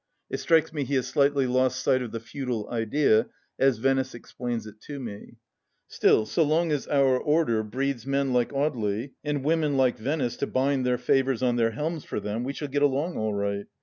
It strikes me he has slightly lost sight of the feudal idea, as Venice explains it to me ! Still, so long as Our Order breeds men like Audely and women like Venice to bind their favours on their heaulmes for them, we shall get along all right.